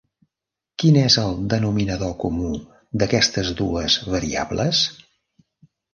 Quin és el denominador comú d'aquestes dues variables?